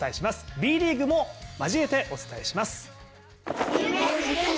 Ｂリーグも交えてお伝えします。